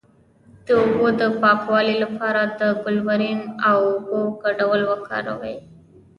د اوبو د پاکوالي لپاره د کلورین او اوبو ګډول وکاروئ